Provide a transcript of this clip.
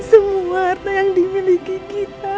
semua warna yang dimiliki kita